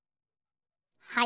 はい。